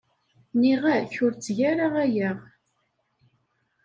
Nniɣ-ak ur tteg ara aya.